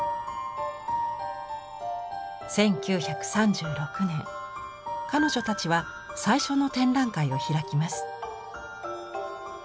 １９３６年彼女たちは最初の展覧会を開きます。